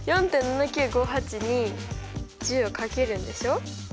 ４．７９５８に１０をかけるんでしょ。